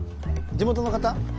地元の方？